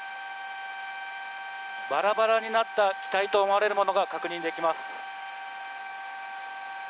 バラバラになった機体と思われるものが確認できます。